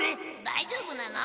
大丈夫なの？